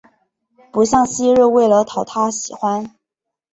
不像昔日为了讨他喜欢